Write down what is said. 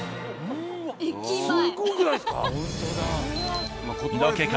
うわすごくないですか？